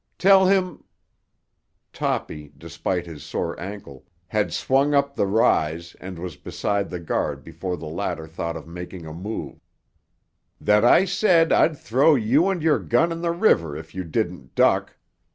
Tell him—" Toppy, despite his sore ankle, had swung up the rise and was beside the guard before the latter thought of making a move—"that I said I'd throw you and your gun in the river if you didn't duck.